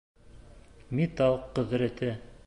Металл ҡөҙрәте